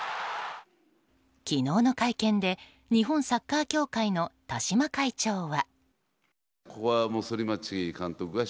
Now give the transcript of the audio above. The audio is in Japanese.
昨日の会見で日本サッカー協会の田嶋会長は。